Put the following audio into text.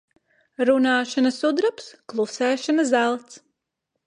Runāšana sudrabs, klusēšana zelts.